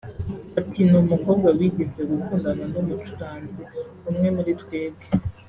Ati « Ni umukobwa wigeze gukundana n’umucuranzi umwe muri twebwe